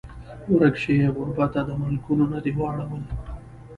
ورک شې ای غربته د ملکونو نه دې واړول